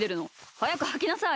はやくはきなさい！